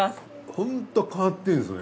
ホント変わってるんですよね